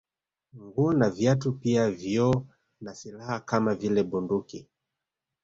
Nguo na viatu pia vioo na silaha kama vile bunduki